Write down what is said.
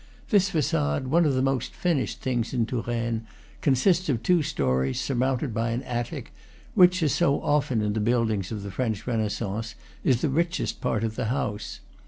This facade, one of the most finished things in Tou raine, consists of two stories, surmounted by an attic which, as so often in the buildings of the French Renaissance, is the richest part of the house.